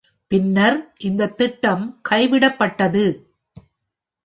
பின்னர் இந்தத் திட்டம் கைவிடப்பட்டது.